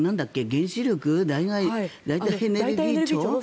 原子力・代替エネルギー庁？